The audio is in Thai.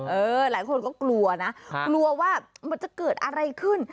หลายคนก็กลัวนะกลัวว่ามันจะเกิดอะไรขึ้น